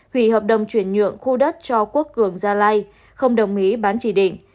hủy hợp đồng chuyển nhượng khu đất cho quốc cường gia lai không đồng ý bán chỉ định